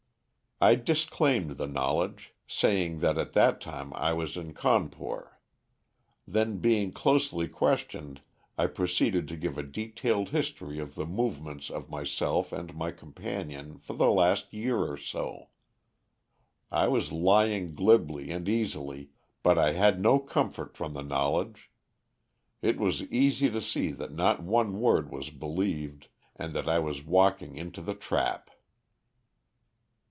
"I disclaimed the knowledge, saying that at that time I was in Cawnpore. Then being closely questioned, I proceeded to give a detailed history of the movements of myself and my companion for the last year or so. I was lying glibly and easily, but I had no comfort from the knowledge. It was easy to see that not one word was believed, and that I was walking into the trap.